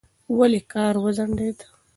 ولې کار وځنډېد؟